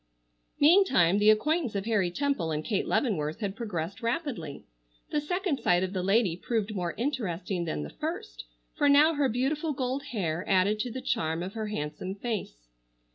Meantime, the acquaintance of Harry Temple and Kate Leavenworth had progressed rapidly. The second sight of the lady proved more interesting than the first, for now her beautiful gold hair added to the charm of her handsome face.